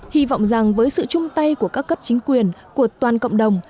hy vọng rằng với sự chung tay của các cấp chính quyền của toàn cộng đồng